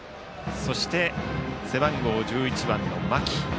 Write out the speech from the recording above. そして、背番号１１番の間木。